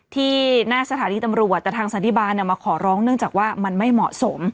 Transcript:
ที่หน้าสถานีตำรวจแต่ทางสันติบาลมาขอร้องเนื่องจากว่ามันไม่เหมาะสม